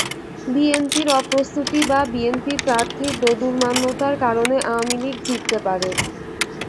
বিএনপির অপ্রস্তুতি বা বিএনপির প্রার্থীর দোদুল্যমানতার কারণে আওয়ামী লীগ জিততে পারে।